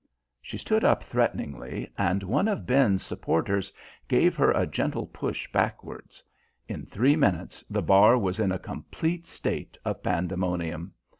She stood up threateningly, and one of Ben's supporters gave her a gentle push backwards. In three minutes the bar was in a complete state of pandemonium.